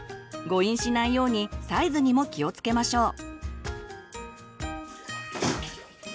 誤飲しないようにサイズにも気をつけましょう。